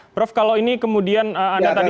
prof kalau ini kemudian anda tadi